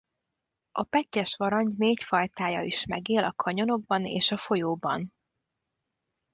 A pettyes varangy négy fajtája is megél a kanyonokban és a folyóban.